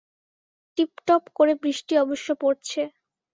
Tiptop করে বৃষ্টি অবশ্য পড়ছে।